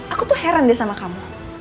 aku tuh heran deh sama kamu